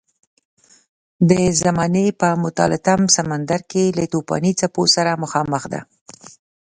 د زمانې په متلاطم سمندر کې له توپاني څپو سره مخامخ ده.